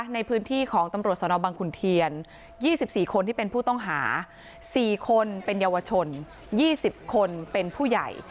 ในพื้นที่ของตำรวจสนบังขุนเทียน๒๔คนที่เป็นผู้ต้องหา๔คนเป็นเยาวชน๒๐คนเป็นผู้ใหญ่